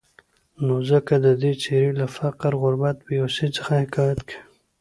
نو ځکه د دوي څېرې له فقر، غربت ، بېوسي، څخه حکايت کوي.